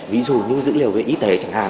ví dụ như dữ liệu về y tế chẳng hạn